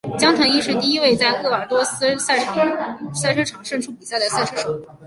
江腾一是第一位在鄂尔多斯赛车场胜出比赛的赛车手。